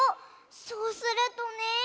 そうするとね。